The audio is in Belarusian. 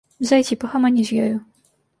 Зайдзі, пагамані з ёю.